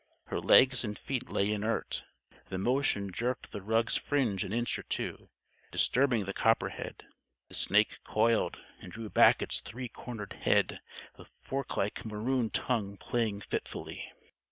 Her legs and feet lay inert. The motion jerked the rug's fringe an inch or two, disturbing the copperhead. The snake coiled, and drew back its three cornered head, the forklike maroon tongue playing fitfully.